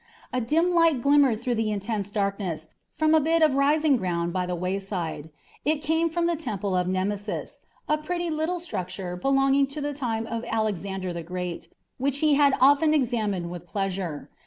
A dim light glimmered through the intense darkness from a bit of rising ground by the wayside. It came from the Temple of Nemesis a pretty little structure belonging to the time of Alexander the Great, which he had often examined with pleasure.